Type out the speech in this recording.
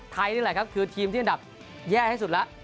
นี่แหละครับคือทีมที่อันดับแย่ที่สุดแล้ว